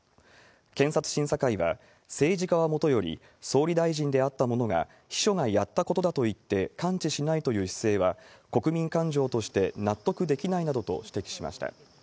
検察審査会は、政治家はもとより、総理大臣であった者が秘書がやったことだといって関知しないという姿勢は、国民感情として納得できないなどと指摘しました。